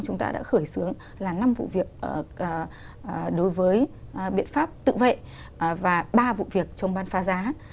chúng ta đã khởi xướng là năm vụ việc đối với biện pháp tự vệ và ba vụ việc trong ban phá giá